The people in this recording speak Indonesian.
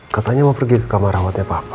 katanya mau pergi ke kamar rawatnya papa